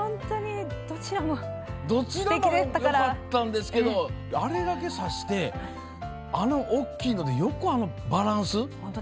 どちらもよかったんですけどあれだけさして、あの大きいのでよく、あのバランス。